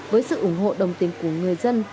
với sự ủng hộ đồng tiền của người dân